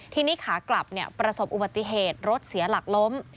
ทีนี้ขากลับประสบอุบัติเหตุรถเสียหลักล้ม